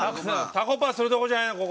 たこパするとこじゃない。